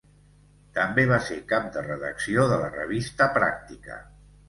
També va ser cap de redacció de la revista Practica.